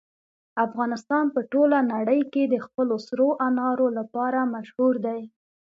افغانستان په ټوله نړۍ کې د خپلو سرو انارو لپاره مشهور دی.